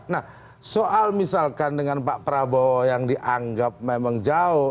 nah soal misalkan dengan pak prabowo yang dianggap memang jauh